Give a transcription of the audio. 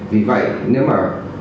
vì vậy nếu mà